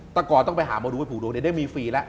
ตะกรต้องไปหาบรูปให้ผูกดวงเดี๋ยวได้มีฟรีแล้ว